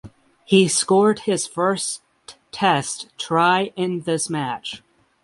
He scored his first test try in this match.